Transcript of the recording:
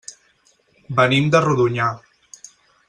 Venim de Rodonyà.